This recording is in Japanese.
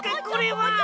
これは。